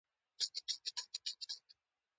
ټولې اسانتیاوې لري.